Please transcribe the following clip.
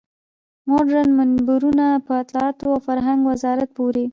مډرن منبرونه په اطلاعاتو او فرهنګ وزارت پورې.